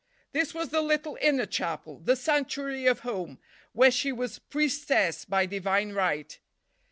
This was the little inner chapel, the Sanctuary of Home, where she was priestess by divine right.